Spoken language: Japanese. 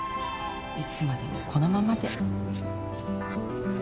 いつまでもこのままで。